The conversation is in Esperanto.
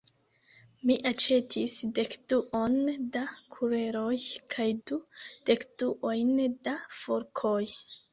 Mi aĉetis dekduon da kuleroj kaj du dekduojn da forkoj.